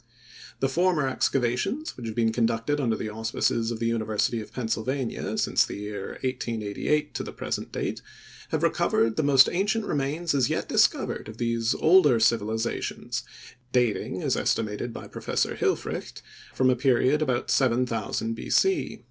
The former excavations, which have been conducted under the auspices of the University of Pennsylvania, since the year 1888 to the present date, have recovered the most ancient remains as yet discovered of these older civilizations, dating, as estimated by Prof. Hilfrecht, from a period about 7000 B. C.